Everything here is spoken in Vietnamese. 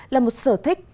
là một sở thích